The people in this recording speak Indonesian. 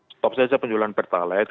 stop saja penjualan pertalite